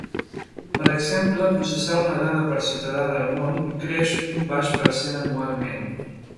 Per exemple, processar una dada per ciutadà del món creix un baix per cent anualment.